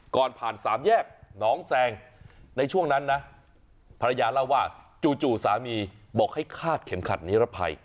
ก่อนผ่านสามแยกหนองแซงในช่วงนั้นนะภรรยาเล่าว่าจู่สามีบอกให้คาดเข็มขัดนิรภัย